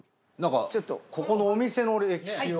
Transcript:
ここのお店の歴史を。